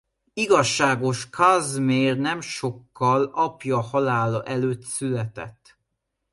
Igazságos Kázmér nem sokkal apja halála előtt született.